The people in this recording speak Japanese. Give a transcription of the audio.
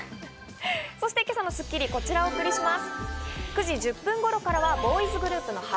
そして今朝の『スッキリ』こちらをお送りします。